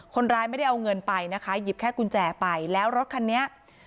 คนร้ายไม่ได้เอาเงินไปนะคะหยิบแค่กุญแจไปแล้วรถคันนี้